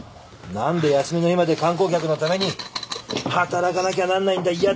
何で休みの日まで観光客のために働かなきゃなんないんだ。